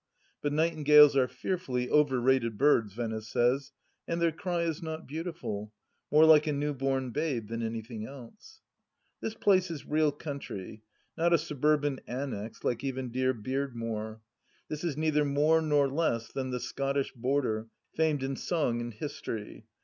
But nightingales are fearfully overrated birds, Venice says, and their cry is not beautiful: more like a new born babe than anything else ! This place is real country, not a suburban annexe like even dear Beardmore. This is neither more nor less than the Scottish Border, famed in song and history.